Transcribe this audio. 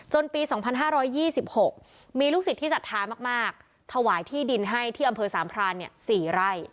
ปี๒๕๒๖มีลูกศิษย์ที่ศรัทธามากถวายที่ดินให้ที่อำเภอสามพราน๔ไร่